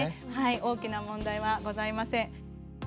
大きな問題はございません。